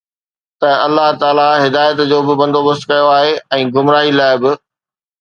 ته الله تعاليٰ هدايت جو به بندوبست ڪيو آهي ۽ گمراهي لاءِ به